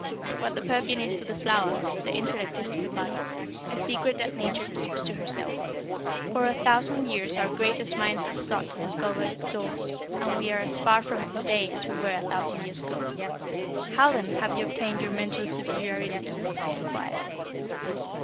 What the perfume is to the flower, the intellect is to the body; a secret that Nature keeps to herself. For a thousand years our greatest minds have sought to discover its source, and we are as far from it to day as we were a thousand years ago." "How then have you obtained your mental superiority?" I inquired.